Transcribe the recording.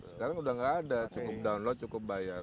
sekarang sudah tidak ada cukup download cukup bayar